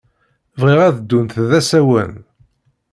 Bɣiɣ ad ddunt d asawen.